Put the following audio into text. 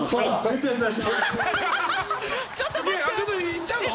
行っちゃうの？